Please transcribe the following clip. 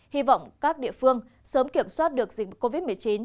hy vọng các địa phương sớm kiểm soát được dịch covid một mươi chín